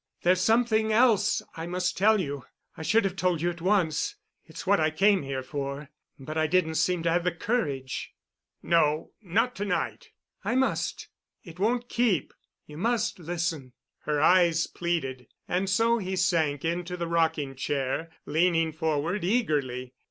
There's something else I must tell you—I should have told you at once. It's what I came here for, but I didn't seem to have the courage." "No, not to night." "I must—it won't keep. You must listen." Her eyes pleaded, and so he sank into the rocking chair, leaning forward eagerly.